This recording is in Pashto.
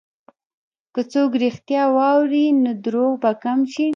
که څوک رښتیا واوري، نو دروغ به کم شي.